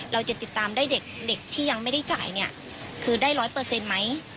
เราจะติดตามได้เด็กเด็กที่ยังไม่ได้จ่ายเนี่ยคือได้ร้อยเปอร์เซ็นต์ไหม